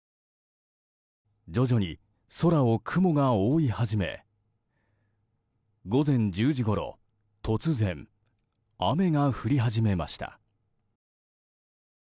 徐々に空を雲が覆い始め午前１０時ごろ突然、雨が降り始めました。